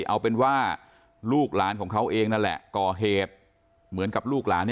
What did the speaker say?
เอาเป็นว่าลูกหลานของเขาเองนั่นแหละก่อเหตุเหมือนกับลูกหลาน